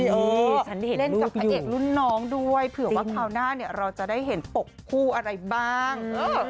เล่นกับพระเอกรุ่นน้องด้วยเผื่อว่าคราวหน้าเนี่ยเราจะได้เห็นปกคู่อะไรบ้าง